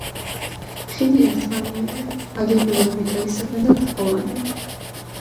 ხიდი ერთმალიანია, აგებულია მეტალისაგან და თაღოვანია.